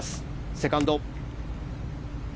セカンド。